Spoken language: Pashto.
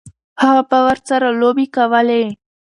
هغه به ورسره لوبې کولې.